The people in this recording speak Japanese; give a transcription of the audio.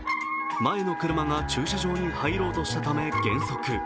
前の車が駐車場に入ろうとしたため減速。